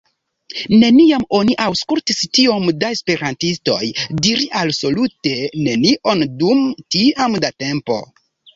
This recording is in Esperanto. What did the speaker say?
Neniam oni aŭskultis tiom da esperantistoj diri alsolute nenion dum tiam da tempo.